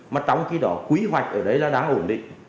mà trong cái đó quy hoạch ở đấy là đáng ổn định